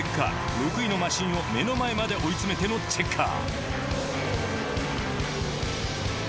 ６位のマシンを目の前まで追い詰めてのチェッカー